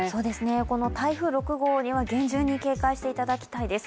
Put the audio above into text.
この台風６号には厳重に警戒していただきたいです。